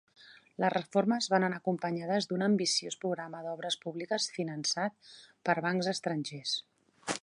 Les reformes van anar acompanyades d'un ambiciós programa d'obres públiques, finançat per bancs estrangers.